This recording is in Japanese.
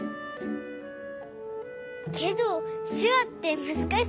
けどしゅわってむずかしそうだよね。